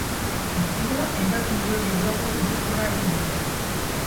Guztira hainbat milioi euroko iruzurra egin dute.